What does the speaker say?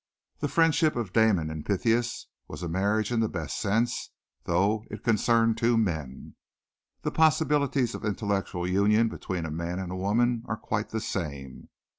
The friendship of Damon and Pythias was a marriage in the best sense, though it concerned two men. The possibilities of intellectual union between a man and a woman are quite the same.